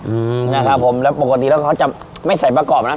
อืมนะครับผมแล้วปกติแล้วเขาจะไม่ใส่ประกอบนะ